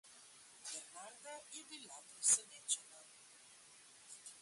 Bernarda je bila presenečena.